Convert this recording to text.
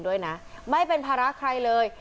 ด้วยนะไม่เป็นภาระใครเลย